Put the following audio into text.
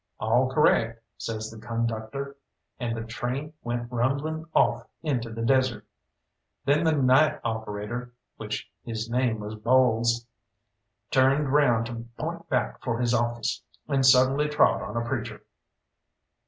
"All correct!" says the conductor; and the train went rumbling off into the desert. Then the night operator which his name was Bowles turned round to point back for his office, and suddenly trod on a preacher.